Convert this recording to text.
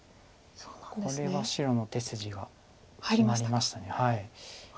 これは白の手筋が決まりました。